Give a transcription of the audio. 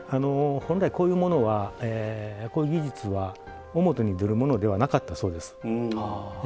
本来、こういう技術は表に出るものではなかったそうです。